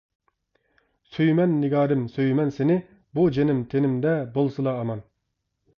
سۆيىمەن، نىگارىم، سۆيىمەن سېنى، بۇ جېنىم تېنىمدە بولسىلا ئامان.